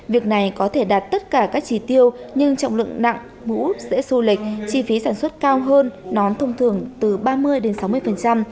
việc này có thể đạt tất cả các chỉ tiêu nhưng trọng lượng nặng mũ dễ xô lệch chi phí sản xuất cao hơn nón thông thường từ ba mươi đến sáu mươi